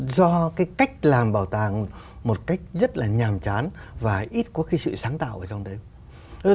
do cái cách làm bảo tàng một cách rất là nhàm chán và ít có cái sự sáng tạo ở trong đấy